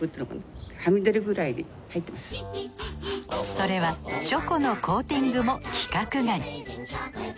それはチョコのコーティングも規格外。